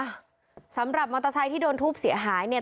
อ่ะสำหรับมอเตอร์ไซค์ที่โดนทุบเสียหายเนี่ย